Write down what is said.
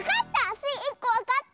スイ１こわかった！